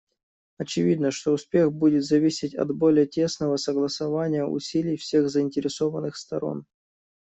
Очевидно, что успех будет зависеть от более тесного согласования усилий всех заинтересованных сторон.